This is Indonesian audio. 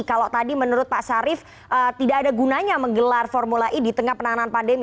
kalau tadi menurut pak sarif tidak ada gunanya menggelar formula e di tengah penanganan pandemi